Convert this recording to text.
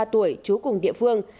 ba mươi ba tuổi trú cùng địa phương